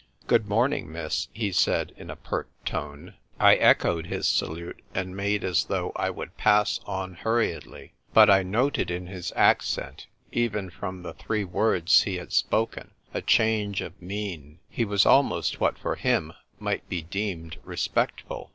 "Good morning, miss," he said in a pert tone. I echoed his salute, and made as though I would pass on hurriedly. But I noted in A CAVALIER MAKES ADVANCES. 1 33 his accent, even from the three words he had spoken, a change of mien ; he was almost what for him might be deemed re spectful.